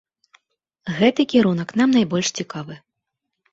Гэты кірунак нам найбольш цікавы.